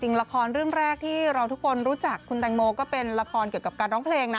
ละครเรื่องแรกที่เราทุกคนรู้จักคุณแตงโมก็เป็นละครเกี่ยวกับการร้องเพลงนะ